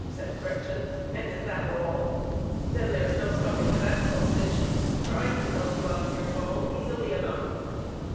said Gretchen, " and is that all ? Then there is no stuffing to that sausage, for I can help you out of your trouble easily enough."